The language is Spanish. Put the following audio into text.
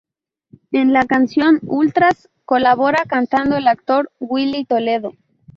En la canción "Ultras" colabora cantando el actor Willy Toledo.